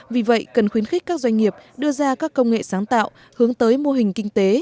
vì vậy cần khuyến khích các doanh nghiệp đưa ra các công nghệ sáng tạo hướng tới mô hình kinh tế